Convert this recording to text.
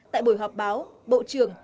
tại buổi họp báo bộ trưởng